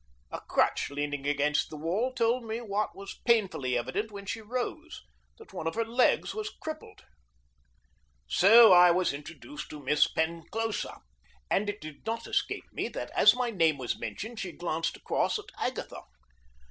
A crutch leaning against the wall told me what was painfully evident when she rose: that one of her legs was crippled. So I was introduced to Miss Penclosa, and it did not escape me that as my name was mentioned she glanced across at Agatha.